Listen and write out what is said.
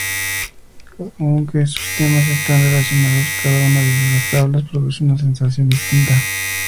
Aunque sus temas están relacionados, cada una de las tablas produce una sensación distinta.